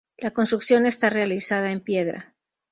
La construcción está realizada en piedra.